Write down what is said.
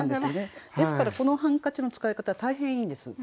ですからこの「ハンカチ」の使い方大変いいんです。